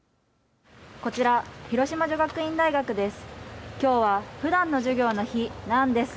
こちら広島女学院大学です。